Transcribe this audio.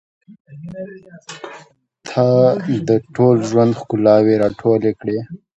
• ته د ټول ژوند ښکلاوې راټولې کړې.